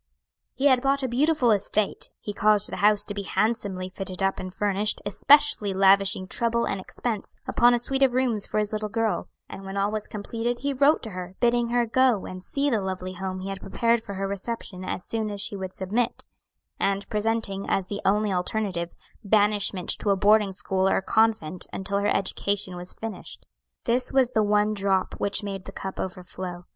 "He had bought a beautiful estate; he caused the house to be handsomely fitted up and furnished, especially lavishing trouble and expense upon a suite of rooms for his little girl, and when all was completed, he wrote to her, bidding her go and see the lovely home he had prepared for her reception as soon as she would submit, and presenting, as the only alternative, banishment to a boarding school or convent until her education was finished. This was the one drop which made the cup overflow.